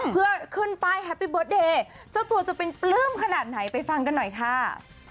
เผื่อขึ้นไปเกินไปขวัญเอ่ยซักตัวเป็นปลื้มขนาดไหนไปฟังกันหน่อยค่ะ